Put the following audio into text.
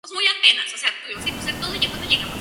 Come crustáceos pelágicos.